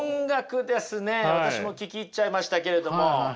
私も聴き入っちゃいましたけれども。